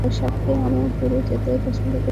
সাক্ষী, আমিও দূরে যেতে পছন্দ করি না।